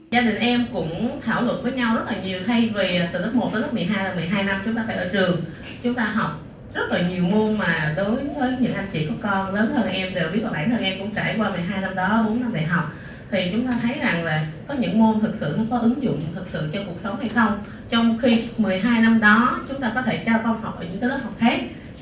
trong khi một mươi hai năm đó chúng ta có thể trao con học ở những lớp học khác chẳng hạn như là học ngoại ngữ học thể lực học về âm nhạc đi nhiều nơi